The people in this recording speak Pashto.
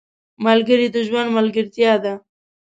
ملګري د ژوند ملګرتیا ده.